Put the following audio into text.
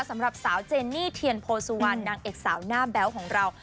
สำหรับสาวเจนนี่เทียนโพสุวรรณนางเอกสาวหน้าแบ๊วของเรา